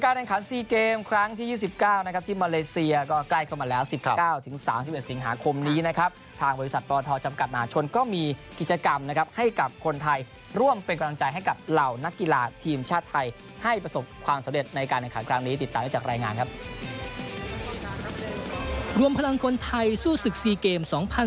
รวมพลังคนไทยรวมพลังคนไทยรวมพลังคนไทยสู้ศึก๔เกม๒๐๑๗